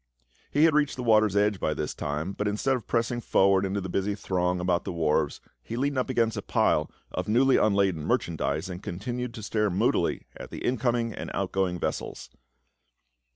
He had reached the water's edge by this time, but instead of pressing forward into the busy throng about the wharves he leaned up against a pile of newly unladen merchandise and continued to stare moodily at the incoming and outgoing vessels.